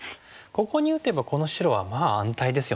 ここに打てばこの白はまあ安泰ですよね。